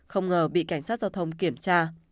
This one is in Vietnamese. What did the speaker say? không ngờ bị cảnh sát giao thông kiểm tra